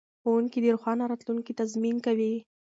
ښوونکي د روښانه راتلونکي تضمین کوي.